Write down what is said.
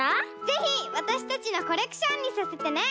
ぜひわたしたちのコレクションにさせてね！